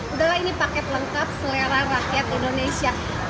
udah lah ini paket lengkap selera rakyat indonesia